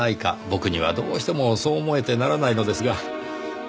僕にはどうしてもそう思えてならないのですが。